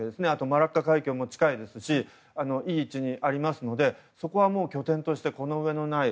マラッカ海峡も近いですしいい位置にありますのでそこはもう拠点としてこのうえのない。